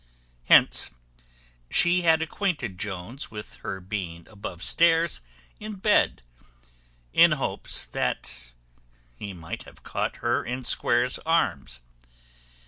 Hence she had acquainted Jones with her being above stairs in bed, in hopes that he might have caught her in Square's arms.